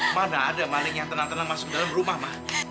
mana ada maling yang tenang tenang masuk ke dalam rumah